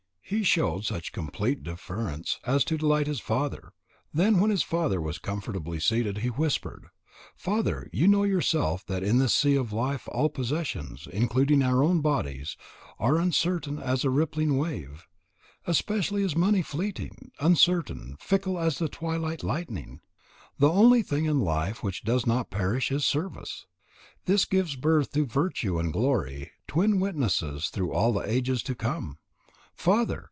He showed such complete deference as to delight his father, then when his father was comfortably seated, he whispered: "Father, you know yourself that in this sea of life all possessions, including our own bodies, are uncertain as a rippling wave. Especially is money fleeting, uncertain, fickle as the twilight lightning. The only thing in life which does not perish is service. This gives birth to virtue and glory, twin witnesses through all the ages to come. Father!